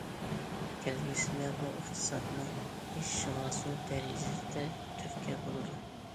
كەلگۈسىدە بۇ ئىقتىسادنىڭ ئېشىشىغا زور دەرىجىدە تۈرتكە بولىدۇ.